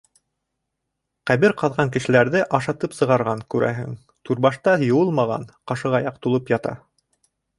Ҡәбер ҡаҙған кешеләрҙе ашатып сығарған, күрәһең: түрбашта йыуылмаған ҡашығаяҡ тулып ята.